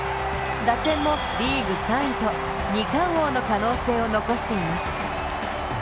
打点もリーグ３位と２冠王の可能性を残しています。